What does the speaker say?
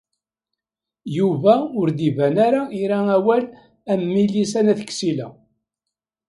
Yuba ur d-iban ara ira awal am Milisa n At Ksila.